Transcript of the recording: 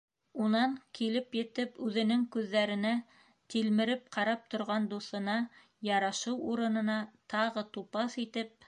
Унан, килеп етеп, үҙенең күҙҙәренә тилмереп ҡарап торған дуҫына, ярашыу урынына тағы тупаҫ итеп: